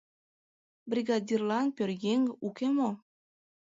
Бригадирлан пӧръеҥ уке мо?..